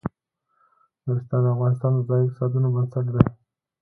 نورستان د افغانستان د ځایي اقتصادونو بنسټ دی.